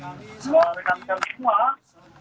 kami selalu rekan rekan semua